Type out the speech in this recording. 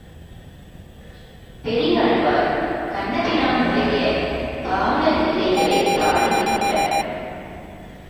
பெரியாழ்வார் கண்ணபிரான் உடைய பால லீலைகளைப் பாடியிருக்கிறார்.